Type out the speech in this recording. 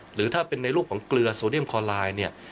หรือถ้าเป็นในรูปของเกลือโซเดียมคอไลน์เนี่ย